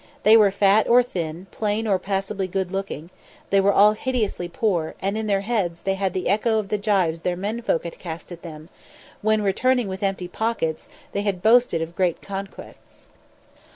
They were fat or thin, plain or passably good looking; they were all hideously poor, and in their heads they had the echo of the gibes their menfolk had cast at them, when, returning with empty pockets, they had boasted of great conquests.